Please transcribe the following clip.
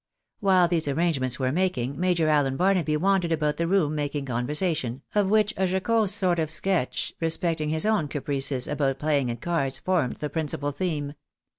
While these arrangements were making, Major Allen Barnaby wandered about the room making conversation, of which a jocose sort of sketch respecting his own caprices about playing at cards formed the principal theme.